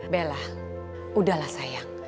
bella udahlah sayang